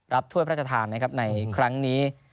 รับถ้วยพระทศาสตร์นะครับในครั้งนี้